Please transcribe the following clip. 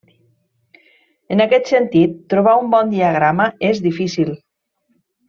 En aquest sentit, trobar un bon diagrama és difícil.